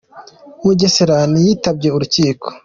Mugesera ntiyitabye Urukiko